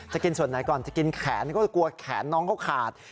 จะกินส่วนไหนก่อนจะกินแขนก็จะกลัวแขนน้องเขาขาด